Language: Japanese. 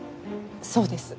そうです。